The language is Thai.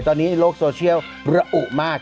ตอนนี้โลกโซเชียลระอุมาก